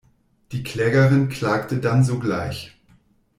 Die Klägerin klagte dann sogleich.